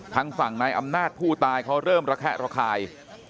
ทางฝั่งนายอำนาจผู้ตายเขาเริ่มระแคะระคาย